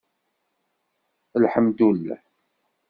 Lḥemdulleh!